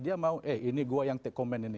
dia mau eh ini saya yang take comment ini